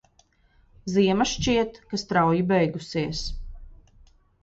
Ziema šķiet, ka strauji beigusies.